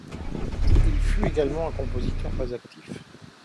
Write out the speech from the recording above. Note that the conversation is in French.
Il fut également un compositeur très actif.